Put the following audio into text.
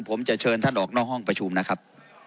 ผมจะเชิญท่านออกนอกห้องประชุมนะครับ